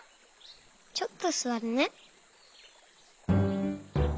ちょっとすわるね。